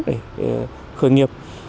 để khởi nghiệp